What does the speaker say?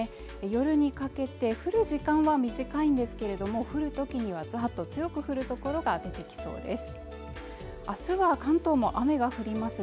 夜にかけて降る時間は短いんですけれども降るときにはざっと強く降るところが出てきそうです